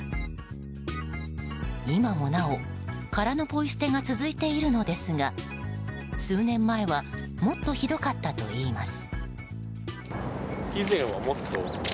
今もなお、殻のポイ捨てが続いているのですが数年前はもっとひどかったといいます。